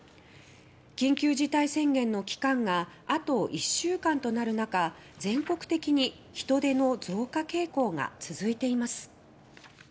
緊急事態宣言の期限があと１週間となる中全国的に人出の増加傾向が続いています。